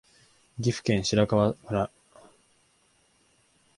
岐阜県白川村